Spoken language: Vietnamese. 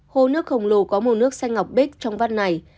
hồ nước khổng lồ có màu nước xanh ngọc bếch trong vắt này